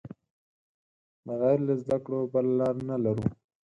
بغیر له زده کړو بله لار نه لرو.